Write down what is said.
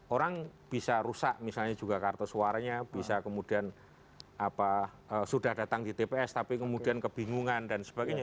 orang bisa rusak misalnya juga kartu suaranya bisa kemudian sudah datang di tps tapi kemudian kebingungan dan sebagainya